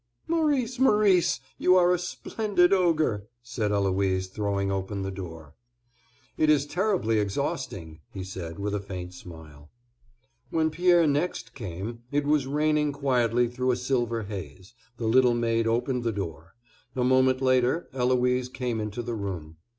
"Maurice, Maurice, you are a splendid ogre!" said Eloise, throwing open the door. "It is terribly exhausting," he said, with a faint smile. When Pierre next came it was raining quietly through a silver haze; the little maid opened the door; a moment later Eloise came into the room.